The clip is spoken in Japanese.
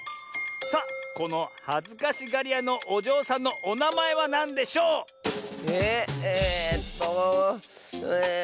さあこのはずかしがりやのおじょうさんのおなまえはなんでしょう？ええっとえっと